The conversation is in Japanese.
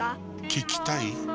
聞きたい？